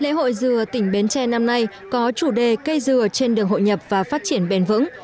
lễ hội dừa tỉnh bến tre năm nay có chủ đề cây dừa trên đường hội nhập và phát triển bền vững